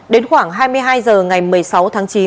đến khoảng hai mươi hai h ngày một mươi sáu tháng chín